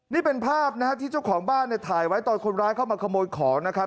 นี่เป็นภาพนะฮะที่เจ้าของบ้านเนี่ยถ่ายไว้ตอนคนร้ายเข้ามาขโมยของนะครับ